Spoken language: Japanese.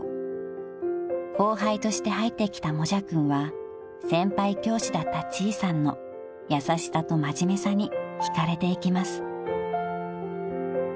［後輩として入ってきたもじゃくんは先輩教師だったちーさんの優しさと真面目さに引かれていきます］